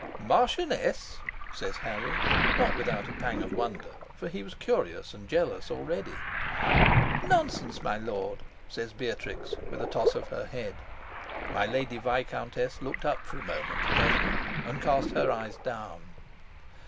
"Marchioness!" says Harry, not without a pang of wonder, for he was curious and jealous already. "Nonsense, my lord," says Beatrix, with a toss of her head. My Lady Viscountess looked up for a moment at Esmond, and cast her eyes down.